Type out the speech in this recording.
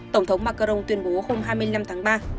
tổng thống macron tuyên bố hôm hai mươi năm tháng ba